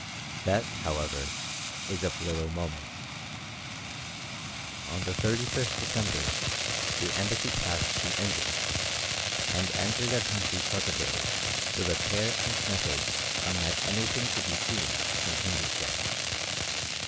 That, however, is of little moment. On the 31st December the embassy passed the Indus, and entered a country cultivated with a care and method unlike anything to be seen in Hindustan.